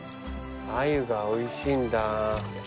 アユがおいしいんだ。